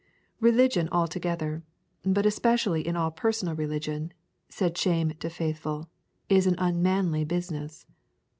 Religion altogether, but especially all personal religion, said Shame to Faithful, is an unmanly business.